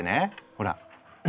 ほら。